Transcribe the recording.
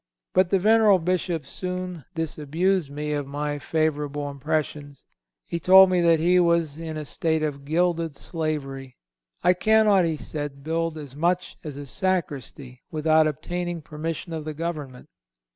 But the venerable Bishop soon disabused me of my favorable impressions. He told me that he was in a state of gilded slavery. I cannot, said he, build as much as a sacristy without obtaining permission of the government.